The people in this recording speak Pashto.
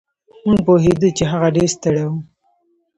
مونږ پوهېدو چې هغه ډېر ستړی و.